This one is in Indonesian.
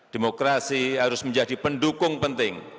demokrasi harus menjadi pendukung penting